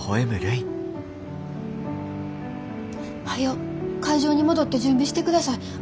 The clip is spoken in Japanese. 早う会場に戻って準備してください。